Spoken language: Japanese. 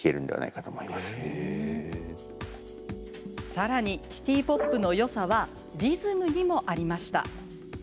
さらに、シティ・ポップのよさはリズムにもありました。